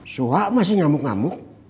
suha masih ngamuk ngamuk